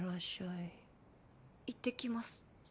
いってきます。